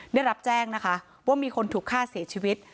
ได้รับแจ้งนะคะว่ามีคนถูกฆ่าเสียชีวิต